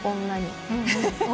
女に？